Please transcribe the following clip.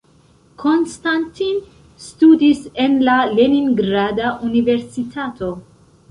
Konstantin studis en la Leningrada Universitato.